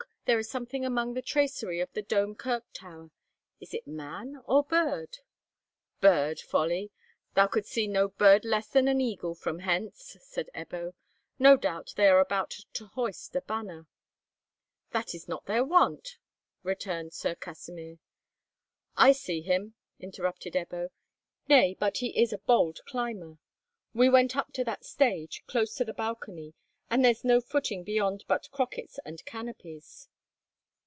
there is something among the tracery of the Dome Kirk Tower. Is it man or bird?" "Bird, folly! Thou couldst see no bird less than an eagle from hence," said Ebbo. "No doubt they are about to hoist a banner." "That is not their wont," returned Sir Kasimir. "I see him," interrupted Ebbo. "Nay, but he is a bold climber! We went up to that stage, close to the balcony, but there's no footing beyond but crockets and canopies."